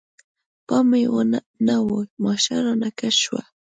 پام مې نه و، ماشه رانه کش شوه.